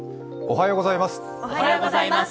おはようございます。